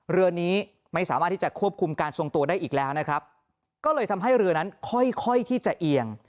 เรือนี้ไม่สามารถที่จะควบคุมการทรงตัวได้อีกแล้วนะครับก็เลยทำให้เรือนั้นค่อยค่อยที่จะเอียง